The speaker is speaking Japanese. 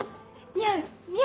似合う？